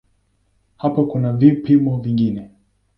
Hapo kuna vipimo vingine.